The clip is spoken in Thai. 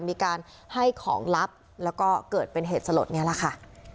มีการให้ของลับแล้วก็เกิดเป็นเหตุสลดนี้แหละค่ะ